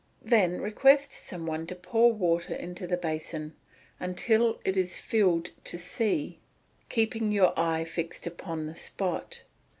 Then request some one to pour water into the basin, until it is filled to C (Fig. 12.), keeping your eye fixed upon the spot.